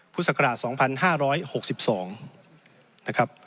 พุศกราช๒๐๐๕น